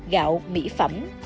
gạo mỹ phẩm